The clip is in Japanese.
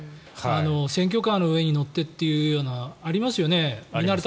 選挙カーの上に乗ってというようなありますよね。